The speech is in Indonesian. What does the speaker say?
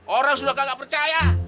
orang sudah kagak percaya